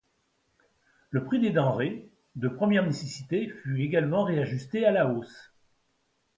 Le prix des denrées de première nécessité fut également réajusté à la hausse.